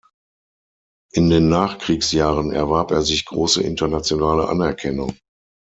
In den Nachkriegsjahren erwarb er sich große internationale Anerkennung.